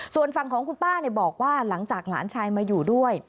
ส่วนฝั่งของคุณป้าบอกว่าหลังจากหลานชายมาอยู่ด้วย